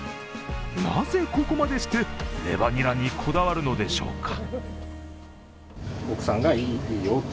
なぜ、ここまでしてレバニラにこだわるのでしょうか